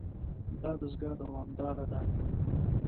دا دستګاه دوامداره ده.